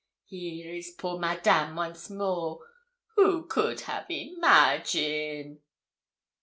here is poor Madame once more! Who could have imagine?'